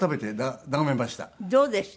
どうでした？